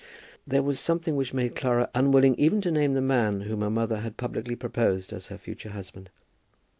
There was something which made Clara unwilling even to name the man whom her mother had publicly proposed as her future husband.